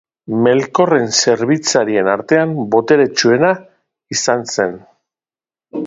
Melkorren zerbitzarien artean boteretsuena izan zen.